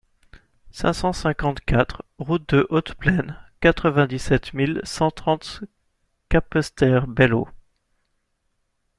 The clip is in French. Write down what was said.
cinq cent cinquante-quatre route de Haute Plaine, quatre-vingt-dix-sept mille cent trente Capesterre-Belle-Eau